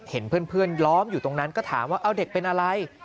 เห็นเพื่อนล้อมอยู่ตรงนั้นก็ถามว่าเอาเด็กเป็นอะไร